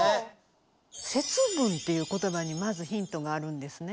「節分」っていうことばにまずヒントがあるんですね。